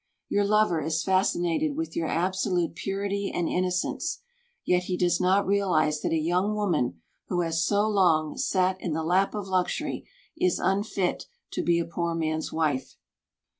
Your lover is fascinated with your absolute purity and innocence. Yet he does not realize that a young woman who has so long "sat in the lap of Luxury," is unfit to be a poor man's wife.